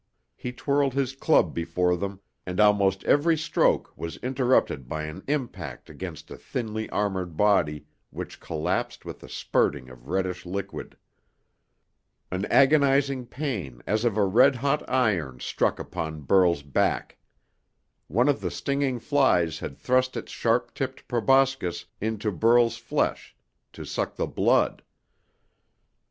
He twirled his club before him, and almost every stroke was interrupted by an impact against a thinly armoured body which collapsed with a spurting of reddish liquid. An agonizing pain as of a red hot iron struck upon Burl's back. One of the stinging flies had thrust its sharp tipped proboscis into Burl's flesh to suck the blood.